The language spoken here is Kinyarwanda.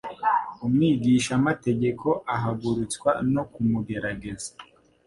"umwigishamategeko ahagurutswa no kumugerageza,